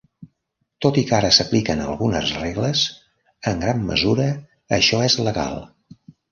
Tot i que ara s'apliquen algunes regles, en gran mesura això és legal.